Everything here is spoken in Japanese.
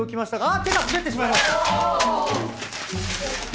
ああっ手が滑ってしまいました！